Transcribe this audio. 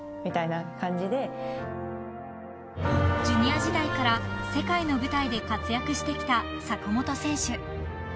［ジュニア時代から世界の舞台で活躍してきた坂本選手］